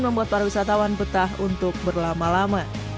membuat para wisatawan betah untuk berlama lama